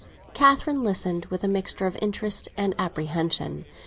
Catherine listened with a mixture of interest and apprehension.